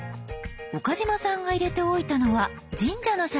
岡嶋さんが入れておいたのは神社の写真。